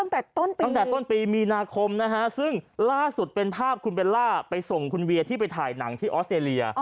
ตั้งแต่ต้นปีตั้งแต่ต้นปีมีนาคมนะฮะซึ่งล่าสุดเป็นภาพคุณเบลล่าไปส่งคุณเวียที่ไปถ่ายหนังที่ออสเตรเลีย